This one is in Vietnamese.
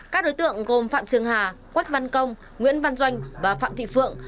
các đối tượng gồm phạm trường hà quách văn công nguyễn văn doanh và phạm thị phượng